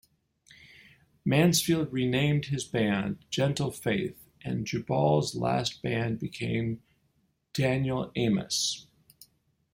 Mansfield renamed his band "Gentle Faith", and Jubal's Last Band became Daniel Amos.